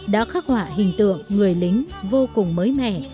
đã khắc họa hình tượng người lính vô cùng mới mẻ